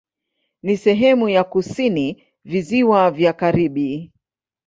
Ni sehemu ya kusini Visiwa vya Karibi.